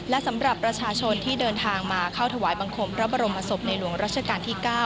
และสำหรับประชาชนที่เดินทางมาเข้าถวายบังคมพระบรมศพในหลวงรัชกาลที่๙